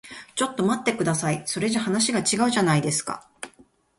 ちょっと待ってください。それじゃ話が違うじゃないですか。